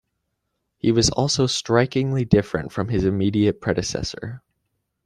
He was also strikingly different from his immediate predecessor.